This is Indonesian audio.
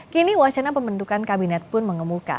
kini wacana pembentukan kabinet pun mengemuka